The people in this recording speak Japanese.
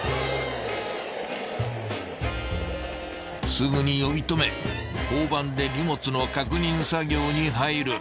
［すぐに呼び止め交番で荷物の確認作業に入る］